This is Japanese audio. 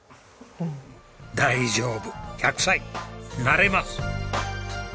大丈夫１００歳なれます！